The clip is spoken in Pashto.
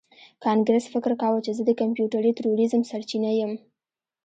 کانګرس فکر کاوه چې زه د کمپیوټري تروریزم سرچینه یم